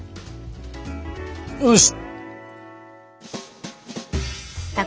よし。